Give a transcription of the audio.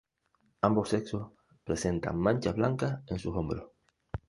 Ambos sexos presentan manchas blancas en sus hombros.